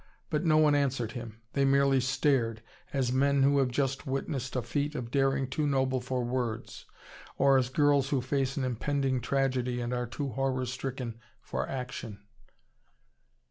But no one answered him; they merely stared, as men who have just witnessed a feat of daring too noble for words, or as girls who face an impending tragedy and are too horror stricken for action.